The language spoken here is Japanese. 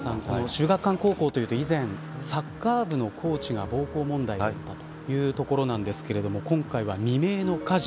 秀岳館高校と言うと以前サッカー部のコーチが暴行問題があったというところなんですが今回は未明の火事。